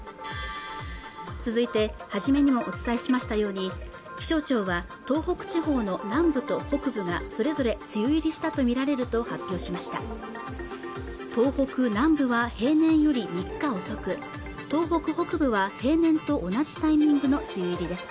続いて初めにもお伝えしましたように気象庁は東北地方の南部と北部がそれぞれ梅雨入りしたとみられると発表しました東北南部は平年より３日遅く東北北部は平年と同じタイミングの梅雨入りです